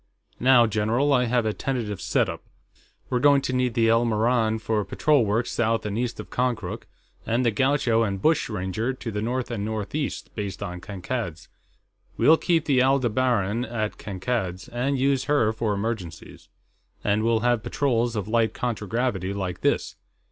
Now, general, I have a tentative setup. We're going to need the Elmoran for patrol work south and east of Konkrook, and the Gaucho and Bushranger to the north and northeast, based on Kankad's. We'll keep the Aldebaran at Kankad's, and use her for emergencies. And we'll have patrols of light contragravity like this."